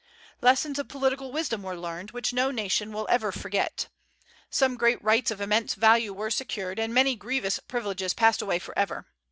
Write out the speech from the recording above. Lessons of political wisdom were learned, which no nation will ever forget. Some great rights of immense value were secured, and many grievous privileges passed away forever.